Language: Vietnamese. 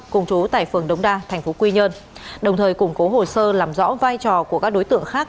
cùng chú tại phường đông đa tp quy nhơn đồng thời củng cố hồ sơ làm rõ vai trò của các đối tượng khác